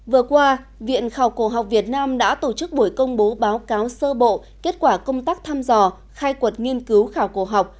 vừa qua viện khảo cổ học việt nam đã tổ chức buổi công bố báo cáo sơ bộ kết quả công tác thăm dò khai quật nghiên cứu khảo cổ học